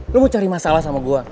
lo gue cari masalah sama gue